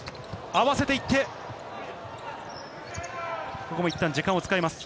合わせていって、いったん時間を使います。